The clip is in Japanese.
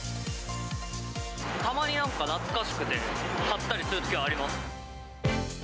たまになんか懐かしくて、買ったりするときはあります。